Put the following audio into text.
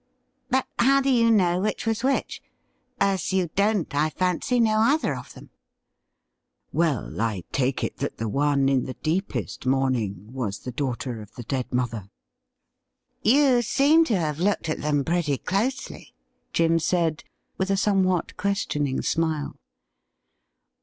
' But how do you know which was which, as you don't, I fancy, know either of them ?'' Well, I take it that the one in the deepest moimiing was the daughter of the dead mother.' ' You seem to have looked at them pretty closely,' Jim said, with a somewhat questioning smile.